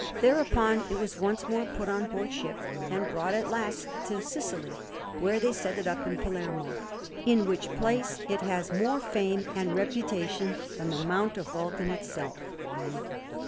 Thereupon it was once more put on board ship and brought at last to Sicily, where they set it up in Palermo; in which place it has more fame and reputation than the Mount of Vulcan itself.